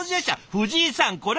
藤井さんこれ！